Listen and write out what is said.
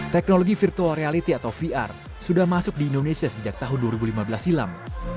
teknologi virtual reality atau vr sudah masuk di indonesia sejak tahun dua ribu lima belas silam